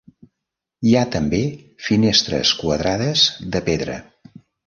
Hi ha també finestres quadrades de pedra.